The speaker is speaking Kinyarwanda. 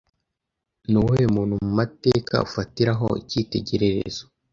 Ni uwuhe muntu mu mateka ufatiraho icyitegererezo